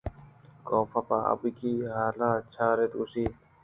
کافءَ پہ ابکہی آئرا چاراِت ءُگوٛشت